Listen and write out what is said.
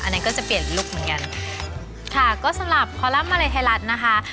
อันนี้ก็จะเปลี่ยนลุคเหมือนกันค่ะก็สำหรับคอลัมป์มาลัยไทยรัฐนะคะ